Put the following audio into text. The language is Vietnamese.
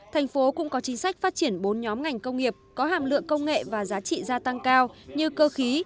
thành phố cũng có chính sách phát triển bốn nhóm ngành công nghiệp có hàm lượng công nghệ và giá trị gia tăng cao như cơ khí